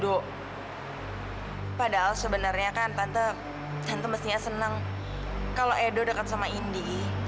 do padahal sebenarnya kan tante tante mestinya senang kalau edo dekat sama indy